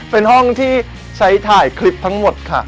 เป็นห้องที่ใช้ถ่ายคลิปทั้งหมดค่ะ